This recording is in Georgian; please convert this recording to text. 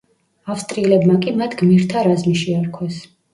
ავსტრიელებმა კი მათ „გმირთა რაზმი“ შეარქვეს.